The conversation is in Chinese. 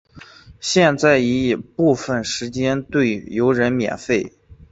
现在已部分时间对游人免费。